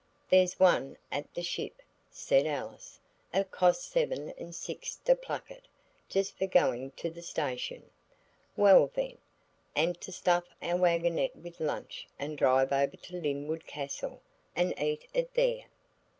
"There's one at the 'Ship,'" said Alice; "it costs seven and six to pluck it, just for going to the station." "Well, then! And to stuff our waggonette with lunch and drive over to Lynwood Castle, and eat it there."